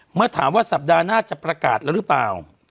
เมื่อถามว่าสัปดาห์หน้าจะประกาศแล้วหรือเปล่า